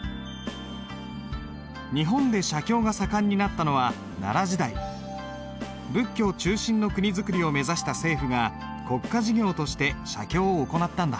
日本で写経が盛んになったのは仏教中心の国づくりを目指した政府が国家事業として写経を行ったんだ。